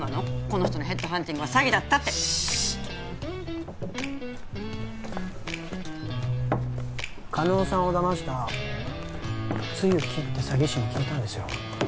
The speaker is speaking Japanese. この人のヘッドハンティングは詐欺だったってシーッ叶さんをだました露木って詐欺師に聞いたんですよ